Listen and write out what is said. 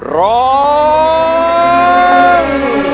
ร้อม